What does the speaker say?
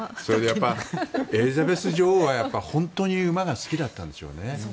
エリザベス女王は本当に馬が好きだったんでしょうね。